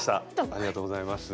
ありがとうございます。